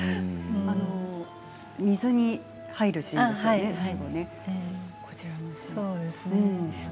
水に入るシーンですよね。